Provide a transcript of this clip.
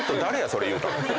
それ言うたの。